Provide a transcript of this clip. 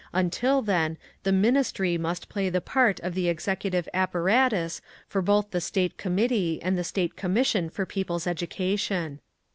Until then, the Ministry must play the part of the executive apparatus for both the State Committee and the State Commission for People's Education.